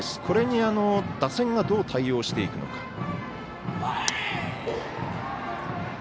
これに打線がどう対応していくのか。